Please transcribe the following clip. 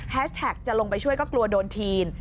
แท็กจะลงไปช่วยก็กลัวโดนทีน